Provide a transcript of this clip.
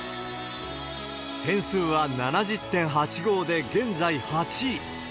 点数は７０．８５で現在８位。